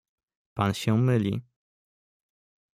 "„Pan się myli."